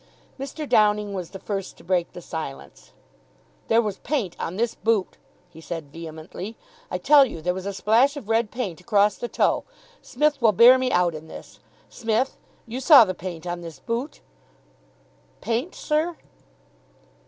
Mr. Downing was the first to break the silence. "There was paint on this boot," he said vehemently. "I tell you there was a splash of red paint across the toe. Smith will bear me out in this. Smith, you saw the paint on this boot?" "Paint, sir!"